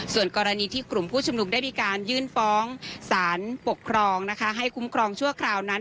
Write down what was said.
ส่วนกรณีที่กลุ่มผู้ชุมนุมได้มีการยื่นฟ้องสารปกครองให้คุ้มครองชั่วคราวนั้น